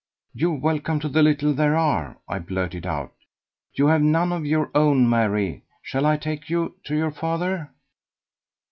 "You're welcome to the little there are," I blurted out; "you have none of your own. Mary, shall I take you to your father?"